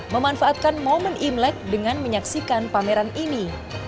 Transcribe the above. memanfaatkan momen imlek dengan menyaksikan pameran ini